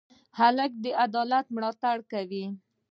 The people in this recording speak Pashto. هلک د عدالت ملاتړ کوي.